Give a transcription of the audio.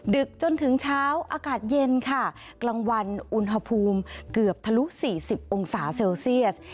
ดึกจนถึงเช้าอากาศเย็นค่ะกลางวันอุณหภูมิเกือบทะลุ๔๐องศาเซลเซียส